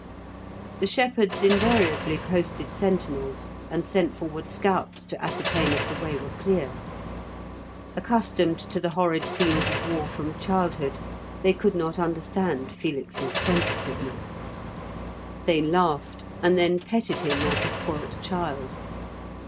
The shepherds invariably posted sentinels, and sent forward scouts to ascertain if the way were clear. Accustomed to the horrid scenes of war from childhood, they could not understand Felix's sensitiveness. They laughed, and then petted him like a spoilt child.